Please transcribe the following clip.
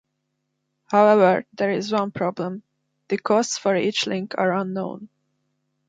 However, there is one problem: the costs for each link are unknown.